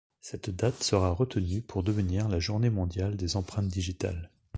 Cette date sera retenue pour devenir la Journée mondiale des empreintes digitales.